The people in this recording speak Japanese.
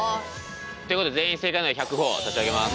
ということで全員正解なんで１００ほぉ差し上げます。